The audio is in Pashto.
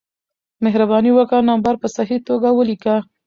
مهربانې وکړه نمبر په صحیح توګه ولېکه